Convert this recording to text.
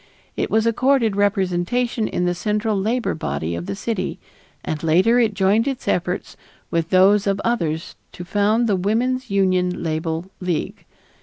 It was accorded representation in the central labor body of the city, and later it joined its efforts with those of others to found the Woman's Union Label League.